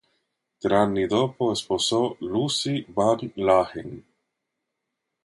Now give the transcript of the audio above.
Tre anni dopo sposò Lucie Van Langen.